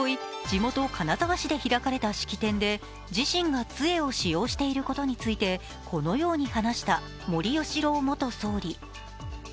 地元・金沢市で開かれた式典で、自身がつえを使用していることについて、このように話した森喜朗元総理。